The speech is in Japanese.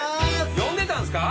呼んでたんすか？